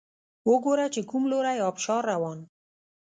وګوره چې کوم لوری ابشار روان